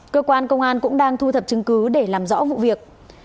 cơ quan công an cũng đang thu thập chứng cứ để làm rõ vụ việc